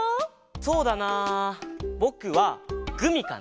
そうだなぼくはグミかな。